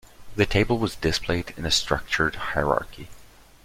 The table was displayed in a structured hierarchy.